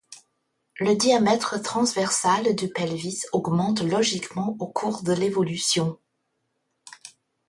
Le diamètre transversal du pelvis augmente logiquement au cours de l'évolution.